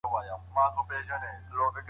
عصبيت عوامل لري.